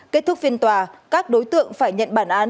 kết thúc phiên tòa các đối tượng phải nhận bản án